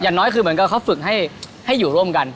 น้อยคือเหมือนกับเขาฝึกให้อยู่ร่วมกัน